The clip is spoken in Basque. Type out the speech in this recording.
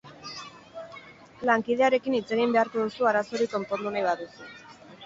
Lankidearekin hitzegin beharko duzu arazo hori konpondu nahi baduzu.